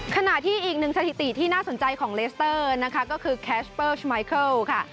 ขณะที่อีกหนึ่งสถิติที่น่าสนใจของเลสเตอร์นะคะก็คือแคชเปิลสมายเคิลค่ะ